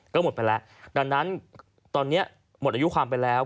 ก็หมดไปแล้วดังนั้นตอนนี้หมดอายุความไปแล้ว